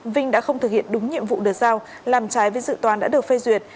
vinh đã không thực hiện đúng nhiệm vụ được giao làm trái với dự toán đã được phê duyệt